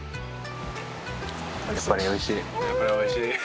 「やっぱりおいしい」